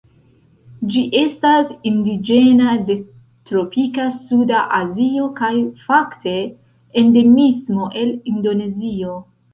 Ĝi estas indiĝena de tropika suda Azio, kaj fakte endemismo el Indonezio.